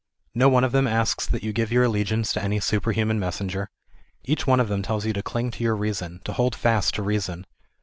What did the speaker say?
No one of them asks that you give your allegiance to any superhuman messenger. Each one of them tells you to cling to your reason to hold fast to reason.